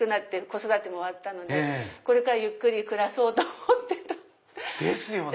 子育ても終わったのでこれからゆっくり暮らそうと思ってた。